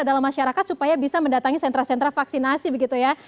dalam masyarakat supaya bisa mendatangi sentra sentra vaksinasi begitu ya